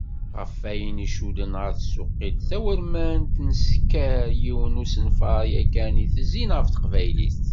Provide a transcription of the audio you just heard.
Ɣef wayen icudden ɣer tsuqilt tawurmant, nsenker yiwen n usenfar yakan i itezzin ɣef teqbaylit.